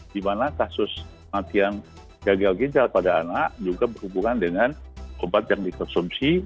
di mana kasus matian gagal ginjal pada anak juga berhubungan dengan obat yang dikonsumsi